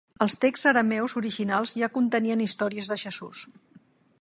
Els seus texts arameus originals ja contenien històries de Jesús.